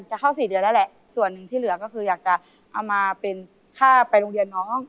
เข้าสี่เดือนแล้วแหละส่วนหนึ่งที่เหลือก็คืออยากจะเอามาเป็นค่าไปโรงเรียนน้อง